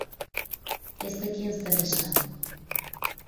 Ez zekien zer esan.